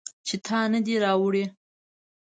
چې تا نه دي راوړي